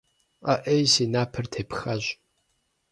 АӀей, си напэр тепхащ!